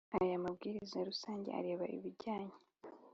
Aya mabwiriza rusange areba ibijyanye